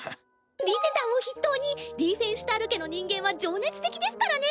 リゼたんを筆頭にリーフェンシュタール家の人間は情熱的ですからね。